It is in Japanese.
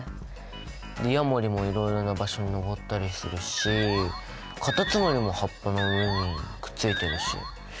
ヤモリもいろいろな場所にのぼったりするしカタツムリも葉っぱの上にくっついてるし。